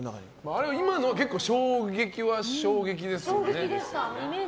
今の結構、衝撃は衝撃ですよね。